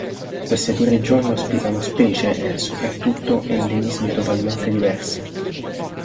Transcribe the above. Queste due regioni ospitano specie e, soprattutto, endemismi totalmente diversi.